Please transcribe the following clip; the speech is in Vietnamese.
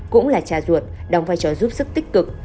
cũng là trà ruột đóng vai trò giúp sức tích cực